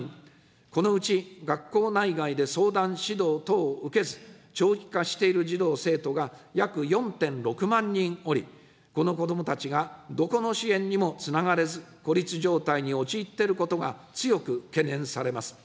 このうち学校内外で相談、指導等を受けず、長期化している児童・生徒が約４．６万人おり、この子どもたちがどこの支援にもつながれず、孤立状態に陥っていることが強く懸念されます。